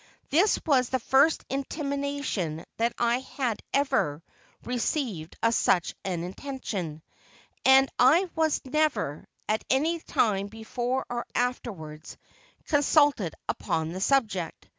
This was the first intimation that I had ever received of such an intention, and I was never, at any time before or afterwards, consulted upon the subject.